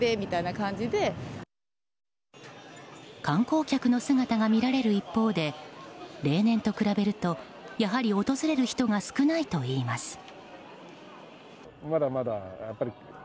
観光客の姿が見られる一方で例年と比べると、やはり訪れる人が少ないといいます。